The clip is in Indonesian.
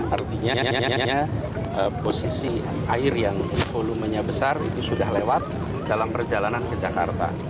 artinya posisi air yang volumenya besar itu sudah lewat dalam perjalanan ke jakarta